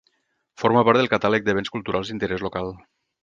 Forma part del catàleg de Béns Culturals d'Interès Local.